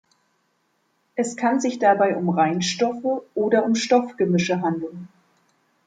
Es kann sich dabei um Reinstoffe oder um Stoffgemische handeln.